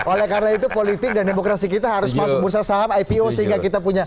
oleh karena itu politik dan demokrasi kita harus masuk bursa saham ipo sehingga kita punya